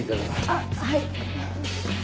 あっはい。